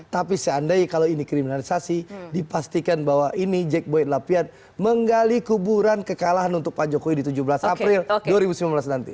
tapi seandainya kalau ini kriminalisasi dipastikan bahwa ini jack boyd lapian menggali kuburan kekalahan untuk pak jokowi di tujuh belas april dua ribu sembilan belas nanti